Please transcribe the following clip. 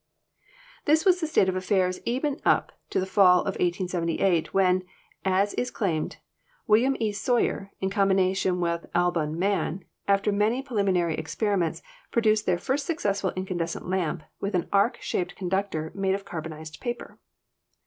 "This was the state of affairs even up to the fall of 1878, when, as is claimed, William E. Sawyer, in combination with Albon Man, after many preliminary experiments, pro duced their first successful incandescent lamp with an arch shaped conductor made of carbonized paper.